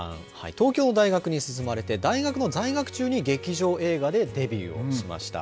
東京の大学に進まれて、大学の在学中に劇場映画でデビューをしました。